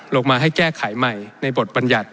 ลงมาให้แก้ไขใหม่ในบทบรรยัติ